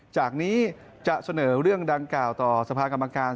จากนี้จะเสนอเรื่องดังกล่าวต่อสภากรรมการ